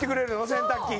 洗濯機が。